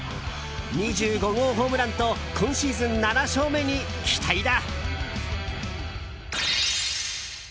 ２５号ホームランと今シーズン７勝目に期待だ。